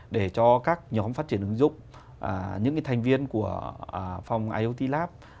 để cho các nhóm phát triển ứng dụng những thành viên của phòng iot lap